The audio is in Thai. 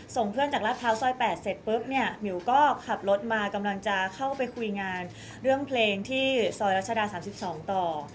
ส่งเพื่อนจากราชพร้าวซอย๘เสร็จปุ๊บเนี่ยมิวก็ขับรถมากำลังจะเข้าไปคุยงานเรื่องเพลงที่ซอยรัชดา๓๒ต่อ